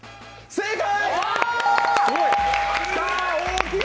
正解！